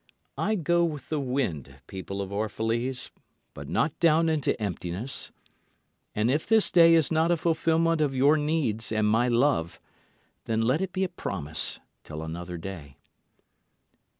I go with the wind, people of Orphalese, but not down into emptiness; And if this day is not a fulfilment of your needs and my love, then let it be a promise till another day.